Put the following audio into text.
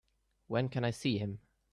When can I see him?